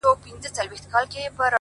که هر څو نجوني ږغېږي چي لونګ یم،